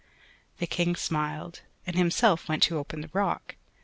The King smiled, and himself went to open the rock.